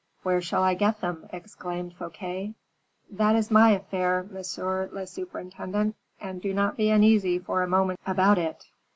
"Where shall I get them?" exclaimed Fouquet. "That is my affair, monsieur le surintendant; and do not be uneasy for a moment about it.